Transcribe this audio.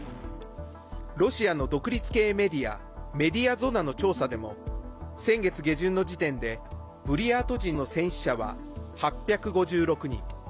ロシアの独立系メディアメディアゾナの調査でも先月下旬の時点でブリヤート人の戦死者は８５６人。